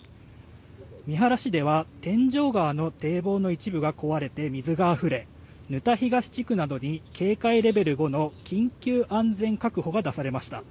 三原市では天井川の堤防の一部が壊れて水があふれ沼田東地区などに警戒レベル５の緊急安全確保が出されました。